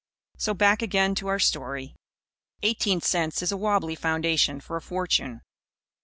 So, back again to our story. Eighteen cents is a wabbly foundation for a fortune.